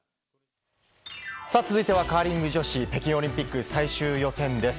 続いてはカーリング女子北京オリンピック最終予選です。